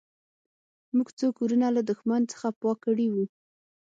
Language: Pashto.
موږ څو کورونه له دښمن څخه پاک کړي وو